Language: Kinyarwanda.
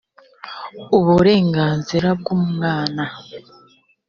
uburenganzira bw’umwana